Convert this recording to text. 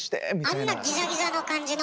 あんなギザギザの感じの？